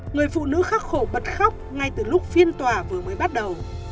người phụ nữ khắc khổ bật khóc ngay từ lúc phiên tòa vừa mới bắt đầu